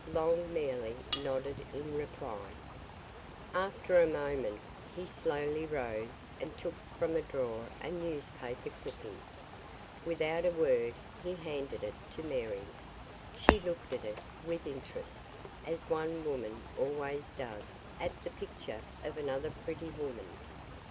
Long merely nodded in reply. After a moment, he slowly rose and took from a drawer a newspaper clipping. Without a word, he handed it to Mary. She looked at it with interest, as one woman always does at the picture of another pretty woman.